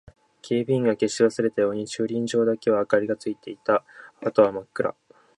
警備員が消し忘れたように駐輪場だけ明かりがついていた。あとは真っ暗。